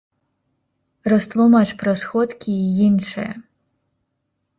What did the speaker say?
Растлумач пра сходкі і іншае.